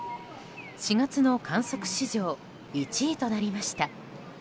４月の観測史上１位となりました。